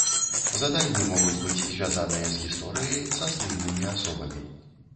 Заданні могуць быць звязаныя з гісторыяй, са слыннымі асобамі.